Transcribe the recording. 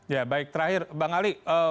ya baik terakhir bang ali